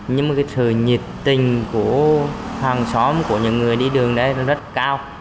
nhưng sự nhiệt tình của hàng xóm của những người đi đường đấy rất cao